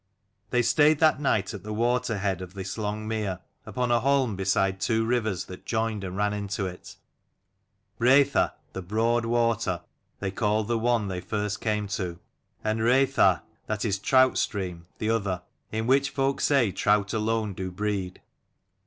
They stayed that night at the Waterhead of this long mere, upon a holm beside two rivers that joined and ran into it Breitha, the broad water, they called the one they first came to, and Reytha, that is Trout stream, the other, in which folk say trout alone do breed.